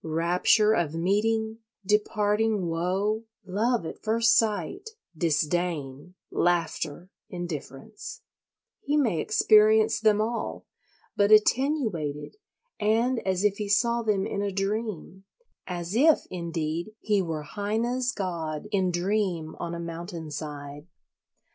Rapture of meeting, departing woe, love at first sight, disdain, laughter, indifference—he may experience them all, but attenuated and as if he saw them in a dream; as if, indeed, he were Heine's god in dream on a mountain side.